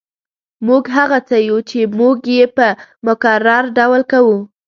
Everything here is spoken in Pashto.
موږ هغه څه یو چې موږ یې په مکرر ډول کوو